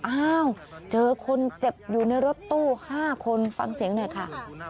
อ้าวเจอคนเจ็บอยู่ในรถตู้๕คนฟังเสียงหน่อยค่ะ